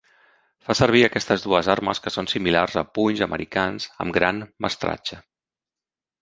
Fa servir aquestes dues armes que són similars a punys americans amb gran mestratge.